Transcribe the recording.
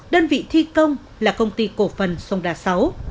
đơn vị thi công là công ty cổ phần sông đà sáu